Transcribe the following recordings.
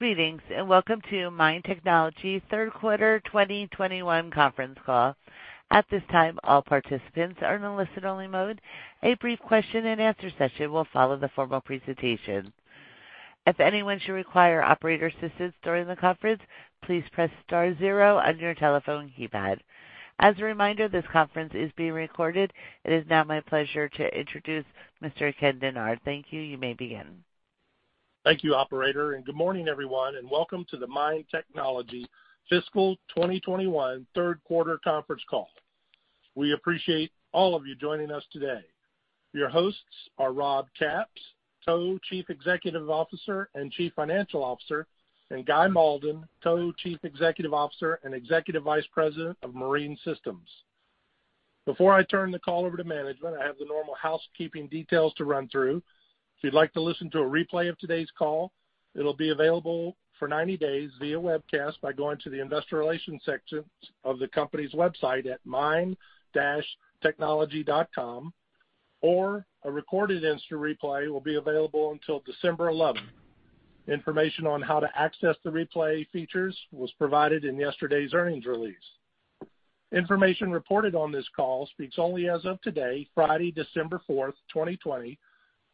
Greetings, and welcome to MIND Technology third quarter 2021 conference call. At this time, all participants are in a listen-only mode. A brief question and answer session will follow the formal presentation. If anyone should require operator assistance during the conference, please press star zero on your telephone keypad. As a reminder, this conference is being recorded. It is now my pleasure to introduce Mr. Ken Dennard. Thank you. You may begin. Thank you, operator. Good morning, everyone, and welcome to the MIND Technology fiscal 2021 third quarter conference call. We appreciate all of you joining us today. Your hosts are Rob Capps, Co-chief Executive Officer and Chief Financial Officer, and Guy Malden, Co-chief Executive Officer and Executive Vice President of Marine Systems. Before I turn the call over to management, I have the normal housekeeping details to run through. If you'd like to listen to a replay of today's call, it'll be available for 90 days via webcast by going to the investor relations section of the company's website at mind-technology.com, or a recorded instant replay will be available until December 11th. Information on how to access the replay features was provided in yesterday's earnings release. Information reported on this call speaks only as of today, Friday, December 4th, 2020,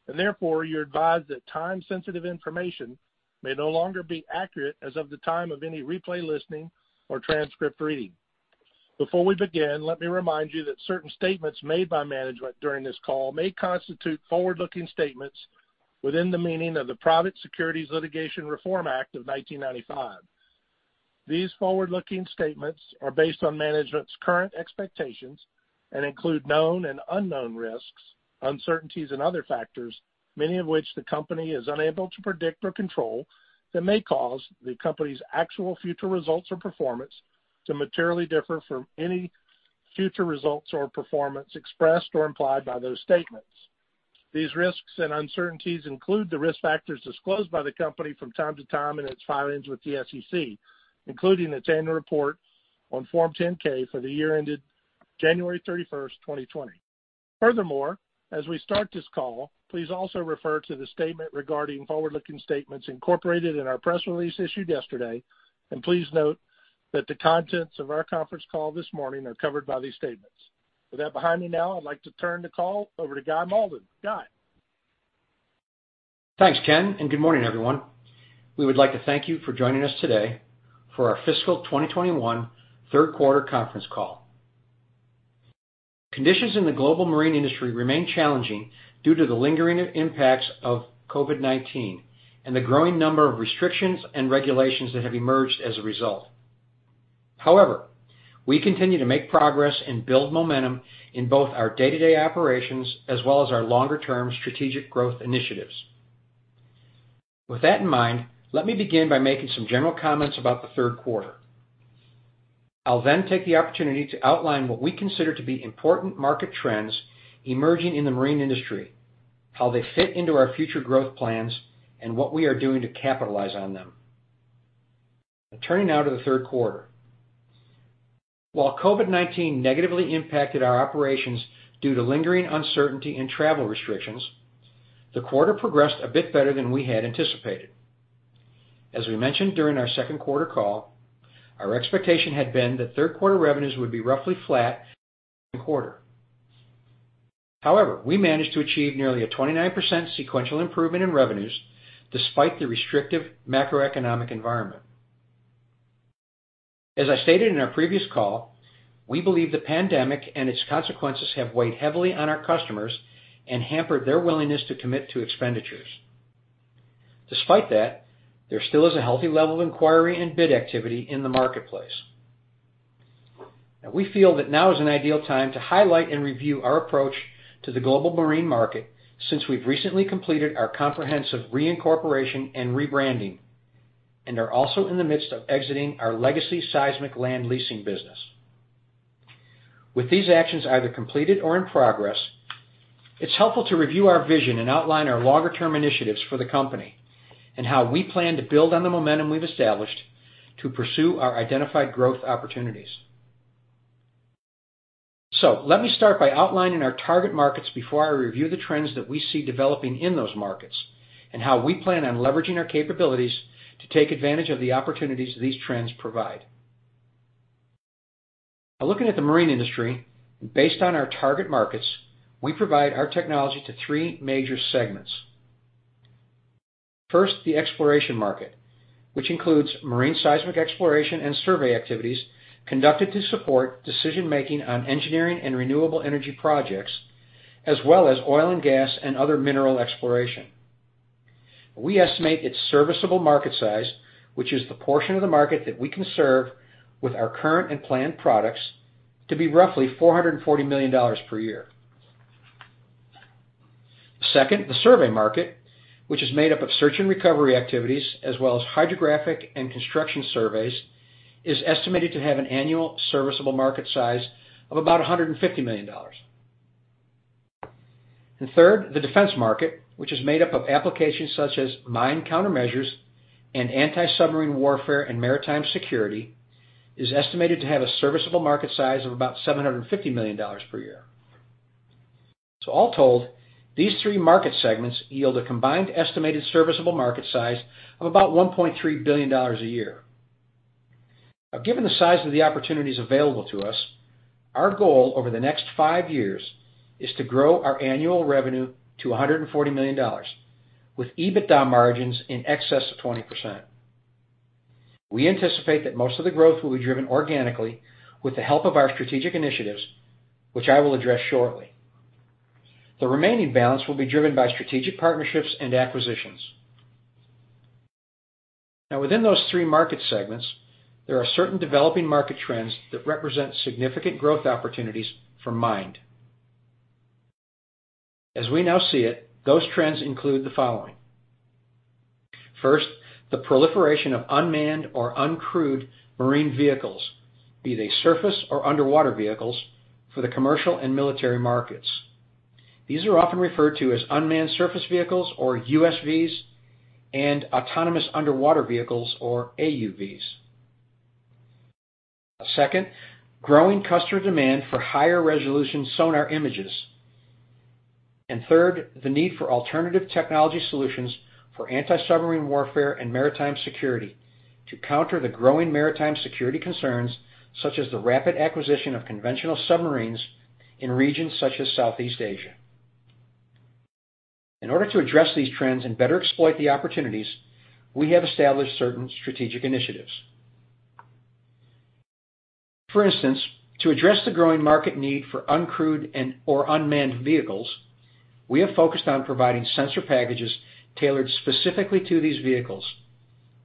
and therefore, you're advised that time-sensitive information may no longer be accurate as of the time of any replay listening or transcript reading. Before we begin, let me remind you that certain statements made by management during this call may constitute forward-looking statements within the meaning of the Private Securities Litigation Reform Act of 1995. These forward-looking statements are based on management's current expectations and include known and unknown risks, uncertainties, and other factors, many of which the company is unable to predict or control, that may cause the company's actual future results or performance to materially differ from any future results or performance expressed or implied by those statements. These risks and uncertainties include the risk factors disclosed by the company from time to time in its filings with the SEC, including its annual report on Form 10-K for the year ended January 31st, 2020. Furthermore, as we start this call, please also refer to the statement regarding forward-looking statements incorporated in our press release issued yesterday, and please note that the contents of our conference call this morning are covered by these statements. With that behind me now, I'd like to turn the call over to Guy Mauldin. Guy? Thanks, Ken, and good morning, everyone. We would like to thank you for joining us today for our fiscal 2021 third quarter conference call. Conditions in the global marine industry remain challenging due to the lingering impacts of COVID-19 and the growing number of restrictions and regulations that have emerged as a result. However, we continue to make progress and build momentum in both our day-to-day operations as well as our longer-term strategic growth initiatives. With that in mind, let me begin by making some general comments about the third quarter. I'll then take the opportunity to outline what we consider to be important market trends emerging in the marine industry, how they fit into our future growth plans, and what we are doing to capitalize on them. Turning now to the third quarter. While COVID-19 negatively impacted our operations due to lingering uncertainty and travel restrictions, the quarter progressed a bit better than we had anticipated. As we mentioned during our second quarter call, our expectation had been that third-quarter revenues would be roughly flat from the previous quarter. However, we managed to achieve nearly a 29% sequential improvement in revenues despite the restrictive macroeconomic environment. As I stated in our previous call, we believe the pandemic and its consequences have weighed heavily on our customers and hampered their willingness to commit to expenditures. Despite that, there still is a healthy level of inquiry and bid activity in the marketplace. Now, we feel that now is an ideal time to highlight and review our approach to the global marine market, since we've recently completed our comprehensive reincorporation and rebranding, and are also in the midst of exiting our legacy seismic land leasing business. With these actions either completed or in progress, it's helpful to review our vision and outline our longer-term initiatives for the company and how we plan to build on the momentum we've established to pursue our identified growth opportunities. Let me start by outlining our target markets before I review the trends that we see developing in those markets and how we plan on leveraging our capabilities to take advantage of the opportunities these trends provide. By looking at the marine industry based on our target markets, we provide our technology to three major segments. First, the exploration market, which includes marine seismic exploration and survey activities conducted to support decision-making on engineering and renewable energy projects, as well as oil and gas and other mineral exploration. We estimate its serviceable market size, which is the portion of the market that we can serve with our current and planned products, to be roughly $440 million per year. Second, the survey market, which is made up of search and recovery activities as well as hydrographic and construction surveys, is estimated to have an annual serviceable market size of about $150 million. Third, the defense market, which is made up of applications such as mine countermeasures and anti-submarine warfare and maritime security, is estimated to have a serviceable market size of about $750 million per year. All told, these three market segments yield a combined estimated serviceable market size of about $1.3 billion a year. Given the size of the opportunities available to us, our goal over the next five years is to grow our annual revenue to $140 million, with EBITDA margins in excess of 20%. We anticipate that most of the growth will be driven organically with the help of our strategic initiatives, which I will address shortly. The remaining balance will be driven by strategic partnerships and acquisitions. Now within those three market segments, there are certain developing market trends that represent significant growth opportunities for MIND. As we now see it, those trends include the following. First, the proliferation of unmanned or uncrewed marine vehicles, be they surface or underwater vehicles for the commercial and military markets. These are often referred to as unmanned surface vehicles or USVs, and autonomous underwater vehicles or AUVs. Second, growing customer demand for higher resolution sonar images. Third, the need for alternative technology solutions for anti-submarine warfare and maritime security to counter the growing maritime security concerns, such as the rapid acquisition of conventional submarines in regions such as Southeast Asia. In order to address these trends and better exploit the opportunities, we have established certain strategic initiatives. For instance, to address the growing market need for uncrewed or unmanned vehicles, we have focused on providing sensor packages tailored specifically to these vehicles,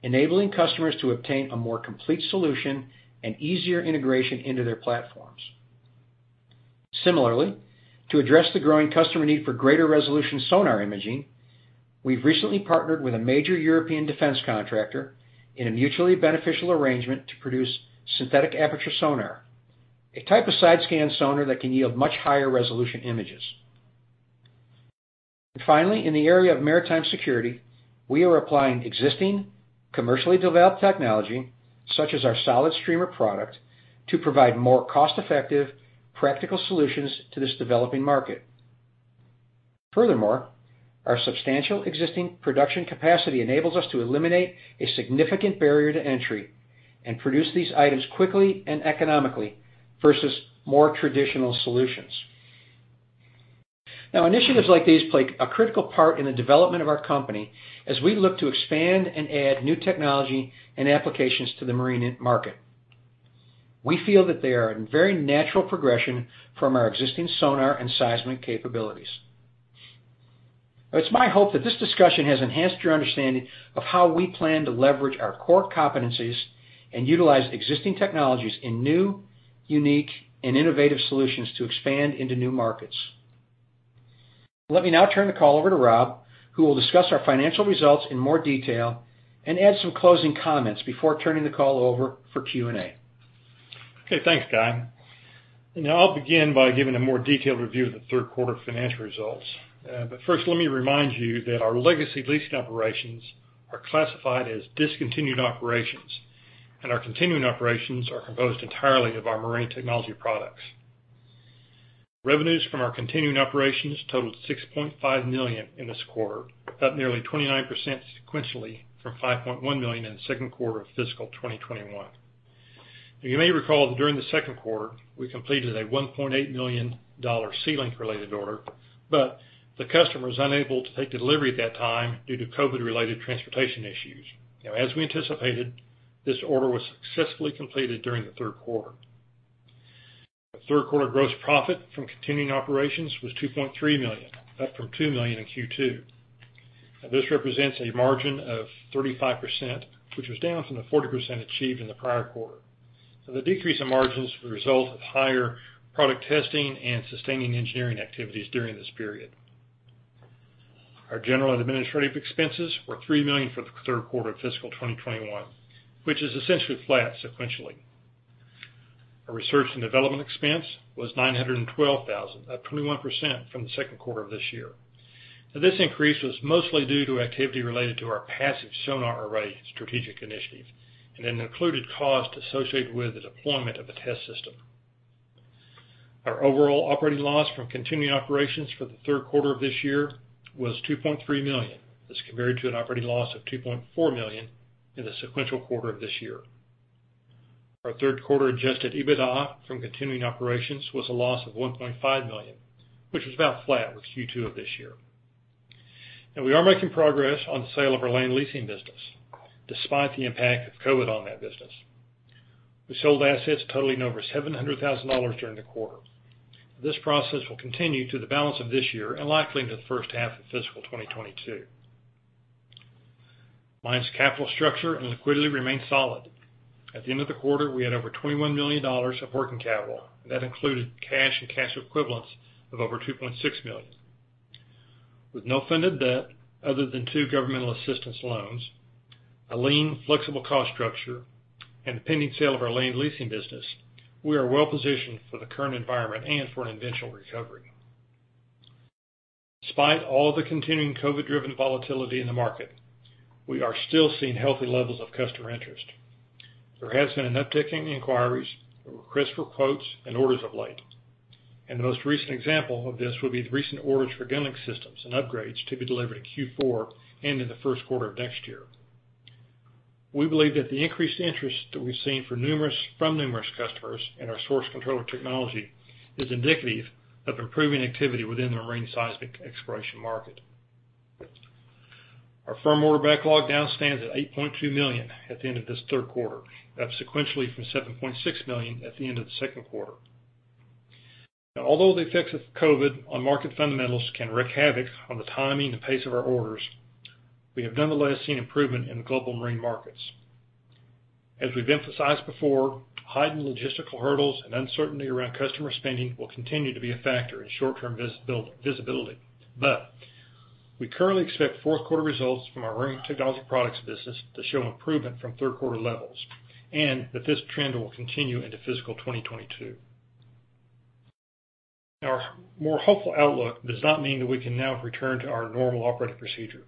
enabling customers to obtain a more complete solution and easier integration into their platforms. Similarly, to address the growing customer need for greater resolution sonar imaging, we've recently partnered with a major European defense contractor in a mutually beneficial arrangement to produce synthetic aperture sonar, a type of side-scan sonar that can yield much higher resolution images. Finally, in the area of maritime security, we are applying existing commercially developed technology, such as our solid streamer product, to provide more cost-effective practical solutions to this developing market. Furthermore, our substantial existing production capacity enables us to eliminate a significant barrier to entry and produce these items quickly and economically versus more traditional solutions. Initiatives like these play a critical part in the development of our company as we look to expand and add new technology and applications to the marine market. We feel that they are a very natural progression from our existing sonar and seismic capabilities. It's my hope that this discussion has enhanced your understanding of how we plan to leverage our core competencies and utilize existing technologies in new, unique, and innovative solutions to expand into new markets. Let me now turn the call over to Rob, who will discuss our financial results in more detail and add some closing comments before turning the call over for Q&A. Okay. Thanks, Guy. I'll begin by giving a more detailed review of the third quarter financial results. First, let me remind you that our legacy leasing operations are classified as discontinued operations, and our continuing operations are composed entirely of our Marine Technology products. Revenues from our continuing operations totaled $6.5 million in this quarter, up nearly 29% sequentially from $5.1 million in the second quarter of fiscal 2021. You may recall that during the second quarter, we completed a $1.8 million SeaLink related order, but the customer was unable to take delivery at that time due to COVID related transportation issues. As we anticipated, this order was successfully completed during the third quarter. The third quarter gross profit from continuing operations was $2.3 million, up from $2 million in Q2. This represents a margin of 35%, which was down from the 40% achieved in the prior quarter. The decrease in margins were the result of higher product testing and sustaining engineering activities during this period. Our general and administrative expenses were $3 million for the third quarter of fiscal 2021, which is essentially flat sequentially. Our research and development expense was $912,000, up 21% from the second quarter of this year. This increase was mostly due to activity related to our passive sonar array strategic initiative, included cost associated with the deployment of a test system. Our overall operating loss from continuing operations for the third quarter of this year was $2.3 million. This compared to an operating loss of $2.4 million in the sequential quarter of this year. Our third quarter adjusted EBITDA from continuing operations was a loss of $1.5 million, which was about flat with Q2 of this year. We are making progress on the sale of our land leasing business, despite the impact of COVID on that business. We sold assets totaling over $700,000 during the quarter. This process will continue through the balance of this year and likely into the first half of fiscal 2022. MIND's capital structure and liquidity remain solid. At the end of the quarter, we had over $21 million of working capital. That included cash and cash equivalents of over $2.6 million. With no funded debt other than two governmental assistance loans, a lean flexible cost structure, and the pending sale of our land leasing business, we are well positioned for the current environment and for an eventual recovery. Despite all the continuing COVID-driven volatility in the market, we are still seeing healthy levels of customer interest. There has been an uptick in inquiries, requests for quotes, and orders of late. The most recent example of this would be the recent orders for GunLink systems and upgrades to be delivered in Q4 and in the first quarter of next year. We believe that the increased interest that we've seen from numerous customers in our source controller technology is indicative of improving activity within the marine seismic exploration market. Our firm order backlog now stands at $8.2 million at the end of this third quarter, up sequentially from $7.6 million at the end of the second quarter. Now, although the effects of COVID-19 on market fundamentals can wreak havoc on the timing and pace of our orders, we have nonetheless seen improvement in the global marine markets. As we've emphasized before, heightened logistical hurdles and uncertainty around customer spending will continue to be a factor in short-term visibility. We currently expect fourth quarter results from our marine technology products business to show improvement from third quarter levels, and that this trend will continue into fiscal 2022. Our more hopeful outlook does not mean that we can now return to our normal operating procedure.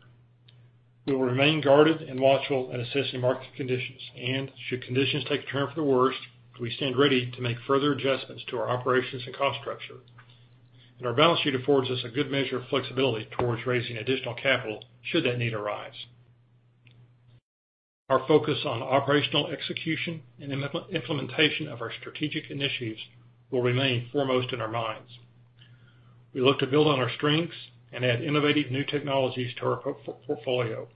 We will remain guarded and watchful in assessing market conditions, and should conditions take a turn for the worst, we stand ready to make further adjustments to our operations and cost structure. Our balance sheet affords us a good measure of flexibility towards raising additional capital should that need arise. Our focus on operational execution and implementation of our strategic initiatives will remain foremost in our minds. We look to build on our strengths and add innovative new technologies to our portfolio,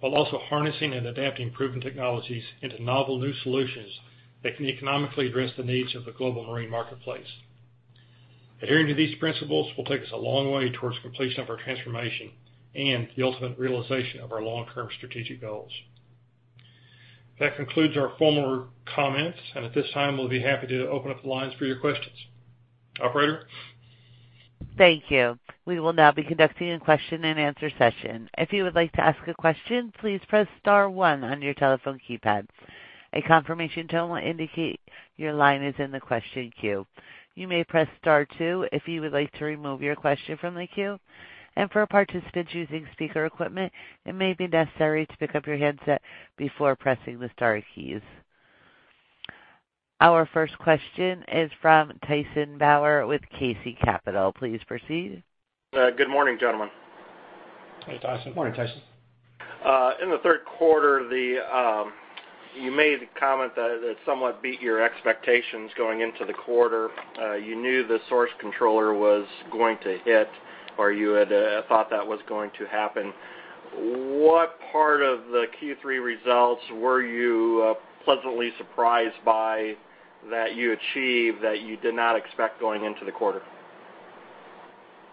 while also harnessing and adapting proven technologies into novel new solutions that can economically address the needs of the global marine marketplace. Adhering to these principles will take us a long way towards completion of our transformation and the ultimate realization of our long-term strategic goals. That concludes our formal comments, and at this time, we'll be happy to open up the lines for your questions. Operator? Thank you. We will now be conducting a question and answer session. If you would like to ask a question, please press star one on your telephone keypad. A confirmation tone will indicate your line is in the question queue. You may press star two if you would like to remove your question from the queue. For participants using speaker equipment, it may be necessary to pick up your headset before pressing the star keys. Our first question is from Tyson Bauer with KC Capital. Please proceed. Good morning, gentlemen. Hey, Tyson. Morning, Tyson. In the third quarter, you made a comment that it somewhat beat your expectations going into the quarter. You knew the source controller was going to hit, or you had thought that was going to happen. What part of the Q3 results were you pleasantly surprised by that you achieved, that you did not expect going into the quarter?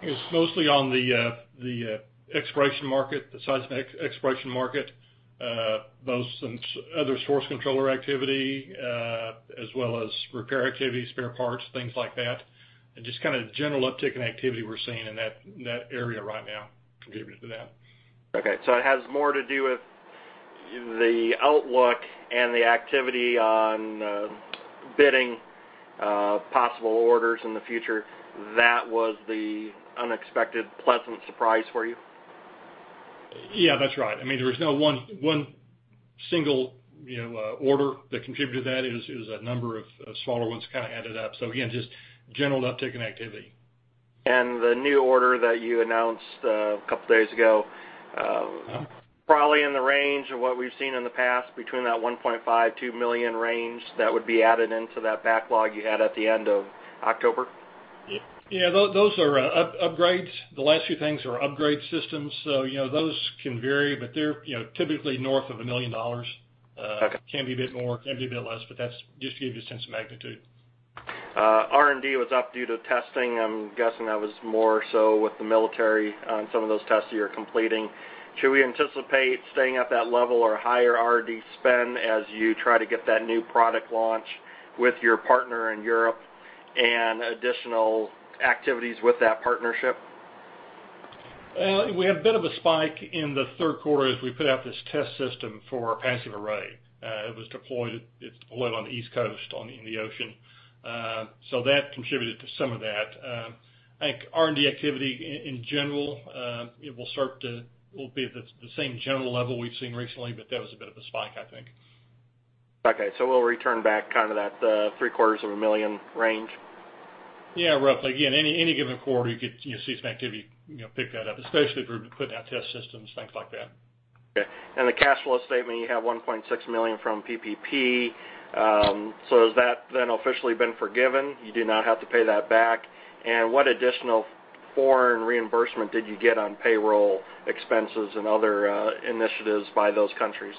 It's mostly on the exploration market, the seismic exploration market, both some other source controller activity, as well as repair activity, spare parts, things like that. Just kind of general uptick in activity we're seeing in that area right now contributed to that. Okay. It has more to do with the outlook and the activity on bidding possible orders in the future. That was the unexpected pleasant surprise for you? Yeah, that's right. There was no one single order that contributed to that. It was a number of smaller ones kind of added up. Again, just general uptick in activity. The new order that you announced a couple of days ago, probably in the range of what we've seen in the past, between that $1.5 million-$2 million range, that would be added into that backlog you had at the end of October? Yeah. Those are upgrades. The last few things are upgrade systems. Those can vary, but they're typically north of $1 million. Okay. Can be a bit more, can be a bit less, but that's just to give you a sense of magnitude. R&D was up due to testing. I'm guessing that was more so with the military on some of those tests you're completing. Should we anticipate staying at that level or higher R&D spend as you try to get that new product launch with your partner in Europe and additional activities with that partnership? We had a bit of a spike in the third quarter as we put out this test system for passive array. It was deployed on the East Coast in the ocean. That contributed to some of that. I think R&D activity in general, it will be at the same general level we've seen recently, but that was a bit of a spike, I think. Okay. We'll return back kind of that three quarters of a million range? Yeah, roughly. Any given quarter, you could see some activity pick that up, especially if we're putting out test systems, things like that. Okay. In the cash flow statement, you have $1.6 million from PPP. Has that then officially been forgiven? You do not have to pay that back? What additional foreign reimbursement did you get on payroll expenses and other initiatives by those countries?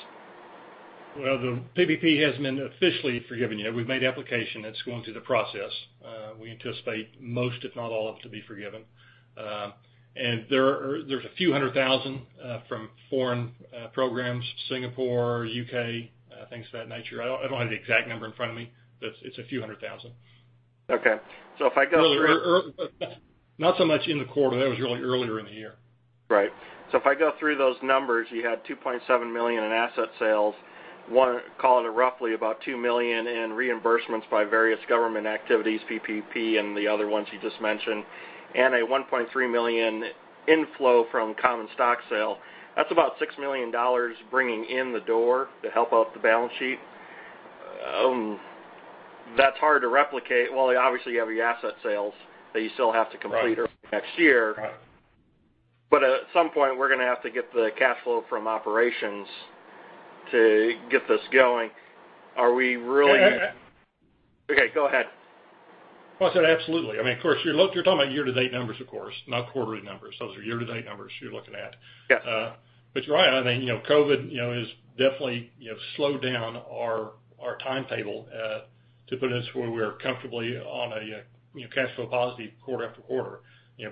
Well, the PPP hasn't been officially forgiven yet. We've made application. It's going through the process. We anticipate most, if not all, of it to be forgiven. There's a few hundred thousand from foreign programs, Singapore, U.K., things of that nature. I don't have the exact number in front of me, but it's a few hundred thousand. Okay. Not so much in the quarter. That was really earlier in the year. Right. If I go through those numbers, you had $2.7 million in asset sales, call it roughly about $2 million in reimbursements by various government activities, PPP and the other ones you just mentioned, and a $1.3 million inflow from common stock sale. That's about $6 million bringing in the door to help out the balance sheet. That's hard to replicate. Well, obviously, you have your asset sales that you still have to complete. Right early next year. Right. At some point, we're going to have to get the cash flow from operations to get this going. Are we really Yeah. Okay, go ahead. Well, I said absolutely. Of course, you're talking about year-to-date numbers, of course, not quarterly numbers. Those are year-to-date numbers you're looking at. Yeah. You're right. I think COVID has definitely slowed down our timetable to put us where we're comfortably on a cash flow positive quarter after quarter.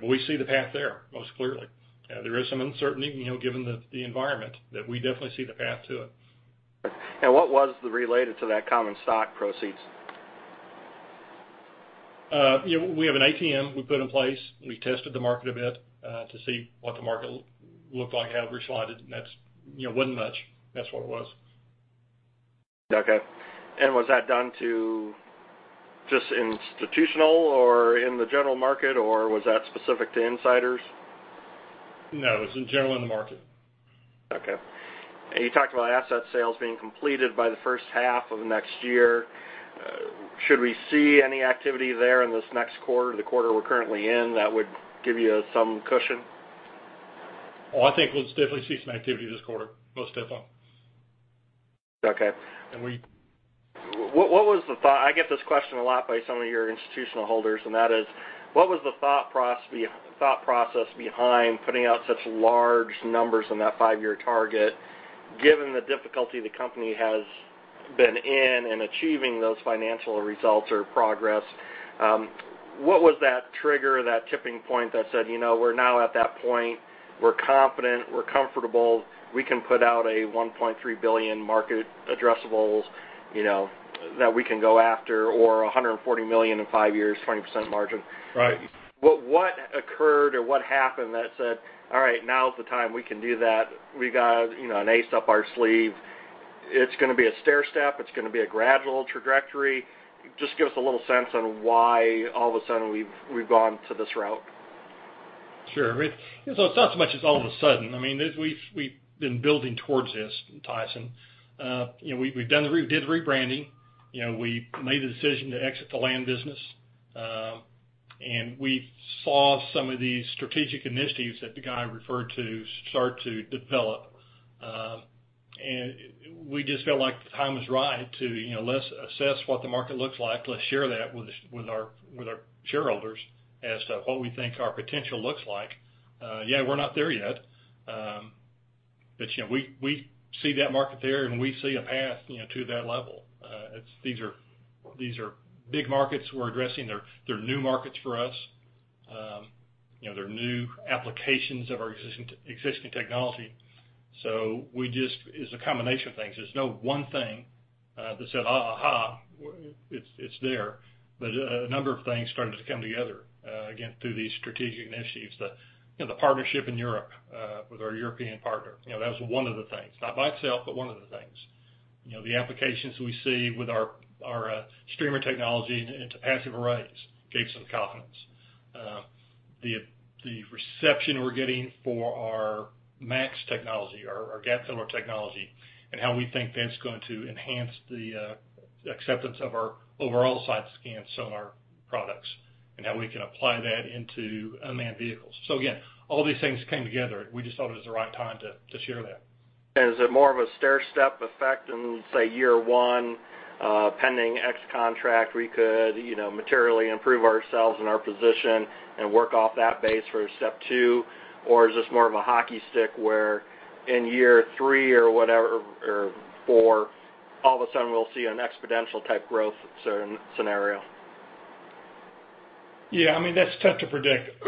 We see the path there, most clearly. There is some uncertainty, given the environment, that we definitely see the path to it. What was related to that common stock proceeds? We have an ATM we put in place. We tested the market a bit, to see what the market looked like, how it responded. That wasn't much. That's what it was. Okay. Was that done to just institutional or in the general market, or was that specific to insiders? No, it was in general in the market. Okay. You talked about asset sales being completed by the first half of next year. Should we see any activity there in this next quarter, the quarter we're currently in, that would give you some cushion? Oh, I think we'll definitely see some activity this quarter, most definitely. Okay. And we- What was the thought? I get this question a lot by some of your institutional holders. That is, what was the thought process behind putting out such large numbers on that five-year target, given the difficulty the company has been in in achieving those financial results or progress? What was that trigger, that tipping point that said, "We're now at that point. We're confident. We're comfortable. We can put out a $1.3 billion market addressables that we can go after, or $140 million in five years, 20% margin. Right. What occurred or what happened that said, "All right. Now is the time. We can do that. We got an ace up our sleeve"? It is going to be a stairstep, it is going to be a gradual trajectory. Just give us a little sense on why all of a sudden we have gone to this route. Sure. It's not so much as all of a sudden. We've been building towards this, Tyson. We did the rebranding. We made the decision to exit the land business. We saw some of these strategic initiatives that Guy referred to start to develop. We just felt like the time was right to, let's assess what the market looks like, let's share that with our shareholders as to what we think our potential looks like. Yeah, we're not there yet. We see that market there and we see a path to that level. These are big markets we're addressing. They're new markets for us. They're new applications of our existing technology. It's a combination of things. There's no one thing that said, "Aha, it's there." A number of things started to come together, again, through these strategic initiatives. The partnership in Europe with our European partner. That was one of the things, not by itself, but one of the things. The applications we see with our streamer technology into passive arrays gave some confidence. The reception we're getting for our MA-X technology, our gap filler technology, and how we think that's going to enhance the acceptance of our overall side-scan sonar products, and how we can apply that into unmanned vehicles. Again, all these things came together. We just thought it was the right time to share that. Is it more of a stairstep effect in, say, year one, pending X contract, we could materially improve ourselves and our position and work off that base for step two? Or is this more of a hockey stick, where in year three or four, all of a sudden we'll see an exponential type growth scenario? That's tough to predict,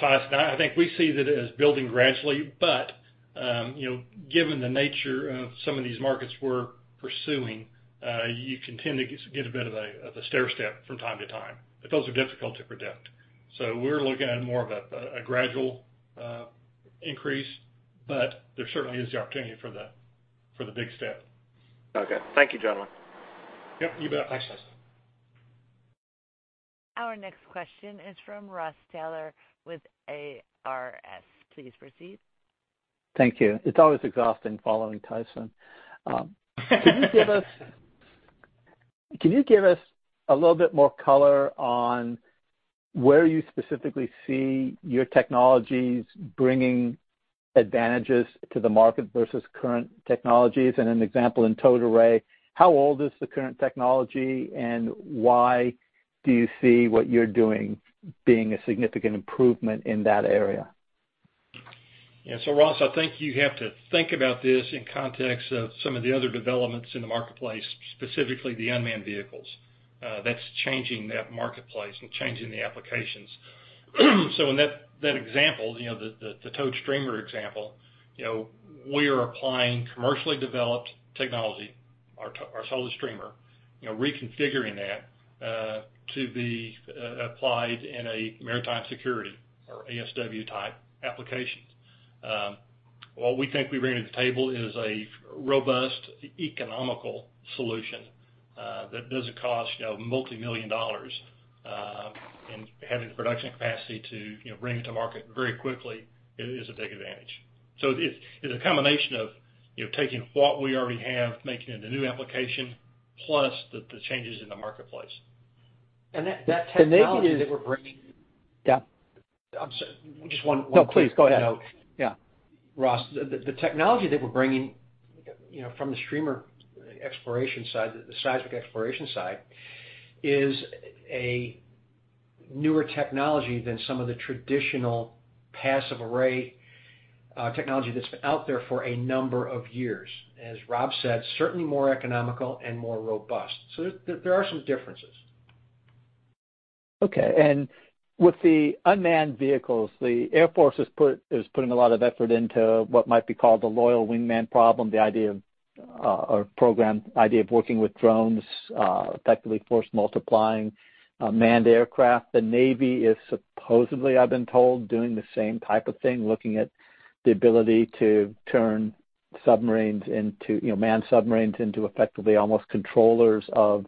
Tyson. I think we see that it is building gradually, but given the nature of some of these markets we're pursuing, you can tend to get a bit of a stairstep from time to time. Those are difficult to predict. We're looking at more of a gradual increase, but there certainly is the opportunity for the big step. Okay. Thank you, gentlemen. Yep, you bet. Thanks, Tyson. Our next question is from Ross Taylor with ARS. Please proceed. Thank you. It's always exhausting following Tyson. Can you give us a little bit more color on where you specifically see your technologies bringing advantages to the market versus current technologies? An example in towed array, how old is the current technology, and why do you see what you're doing being a significant improvement in that area? Yeah. Ross, I think you have to think about this in context of some of the other developments in the marketplace, specifically the unmanned vehicles. That's changing that marketplace and changing the applications. In that example, the towed streamer example, we are applying commercially developed technologies. Our Solid Streamer, reconfiguring that to be applied in a maritime security or ASW type applications. What we think we bring to the table is a robust, economical solution that doesn't cost multi-million dollars. Having the production capacity to bring it to market very quickly is a big advantage. It's a combination of taking what we already have, making it into new application, plus the changes in the marketplace. That technology that we're bringing. Yeah. I'm sorry. Just one thing. No, please go ahead. Yeah. Ross, the technology that we're bringing from the streamer exploration side, the seismic exploration side, is a newer technology than some of the traditional passive array technology that's been out there for a number of years. As Rob said, certainly more economical and more robust. There are some differences. Okay. With the unmanned vehicles, the U.S. Air Force is putting a lot of effort into what might be called the loyal wingman problem, or program. The idea of working with drones effectively force multiplying manned aircraft. The U.S. Navy is supposedly, I've been told, doing the same type of thing, looking at the ability to turn manned submarines into effectively almost controllers of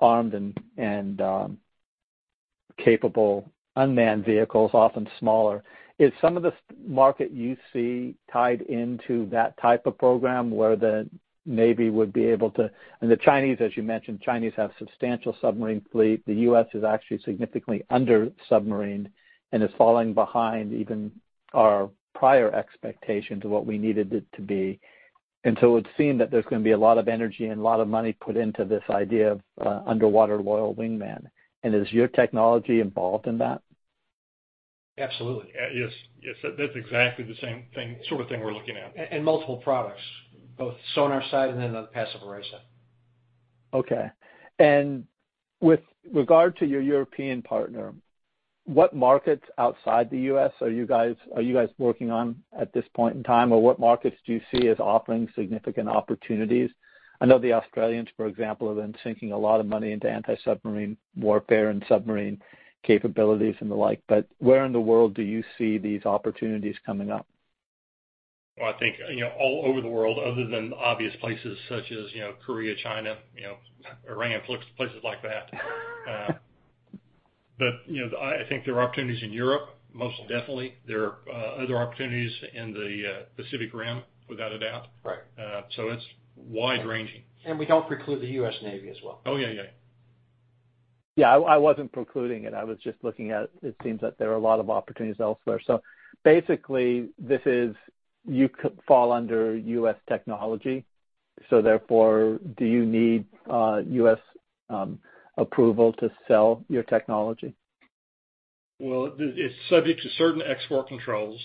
armed and capable unmanned vehicles, often smaller. Is some of the market you see tied into that type of program where the U.S. Navy would be able to. The Chinese, as you mentioned, Chinese have substantial submarine fleet. The U.S. is actually significantly under submarined and is falling behind even our prior expectations of what we needed it to be. So it would seem that there's going to be a lot of energy and a lot of money put into this idea of underwater loyal wingman. Is your technology involved in that? Absolutely. Yes. That's exactly the sort of thing we're looking at. Multiple products, both sonar side and then on the passive array side. Okay. With regard to your European partner, what markets outside the U.S. are you guys working on at this point in time? Or what markets do you see as offering significant opportunities? I know the Australians, for example, have been sinking a lot of money into anti-submarine warfare and submarine capabilities and the like, where in the world do you see these opportunities coming up? Well, I think all over the world other than obvious places such as Korea, China, Iran, places like that. I think there are opportunities in Europe, most definitely. There are other opportunities in the Pacific Rim, without a doubt. Right. It's wide ranging. We don't preclude the U.S. Navy as well. Oh, yeah. Yeah, I wasn't precluding it. I was just looking at, it seems that there are a lot of opportunities elsewhere. Basically, you could fall under U.S. technology, therefore, do you need U.S. approval to sell your technology? Well, it's subject to certain export controls,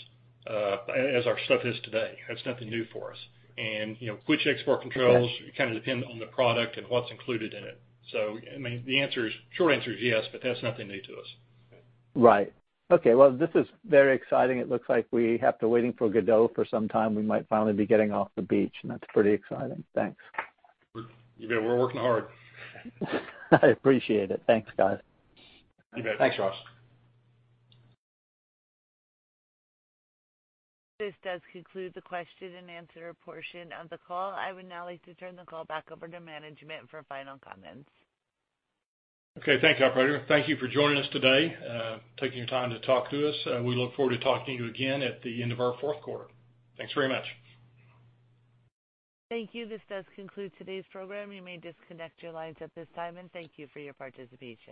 as our stuff is today. That's nothing new for us. Which export controls kind of depend on the product and what's included in it. The short answer is yes, but that's nothing new to us. Right. Okay, well, this is very exciting. It looks like we have been waiting for Godot for some time. We might finally be getting off the beach, and that's pretty exciting. Thanks. You bet. We're working hard. I appreciate it. Thanks, guys. You bet. Thanks, Ross. This does conclude the question and answer portion of the call. I would now like to turn the call back over to management for final comments. Okay, thank you, operator. Thank you for joining us today, taking your time to talk to us. We look forward to talking to you again at the end of our fourth quarter. Thanks very much. Thank you. This does conclude today's program. You may disconnect your lines at this time, and thank you for your participation.